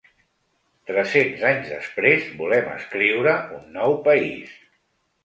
Tres-cents anys després volem escriure un nou país.